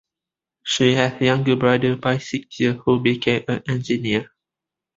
She has a younger brother by six years who became an engineer.